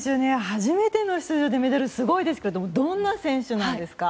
初めての出場でメダルすごいですけどどんな選手なんですか？